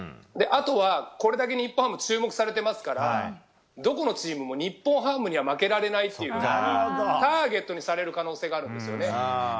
あとは、これだけ日本ハム注目されていますからどこのチームも、日本ハムには負けられないというのでターゲットにされる可能性があるんですよね。